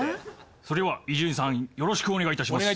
それでは伊集院さんよろしくお願い致します。